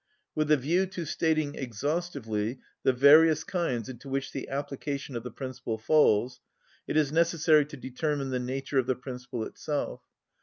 With a view to stating exhaustively the various kinds into which the application of the principle falls it is necessary to determine the nature of the principle itself.